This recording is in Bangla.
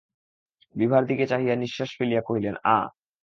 বিভার দিকে চাহিয়া নিশ্বাস ফেলিয়া কহিলেন, আঃ!